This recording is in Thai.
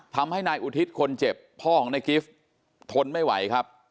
ทำให้นายอุทิศคนเจ็บพ่อของนายกิฟต์ทนไม่ไหวครับ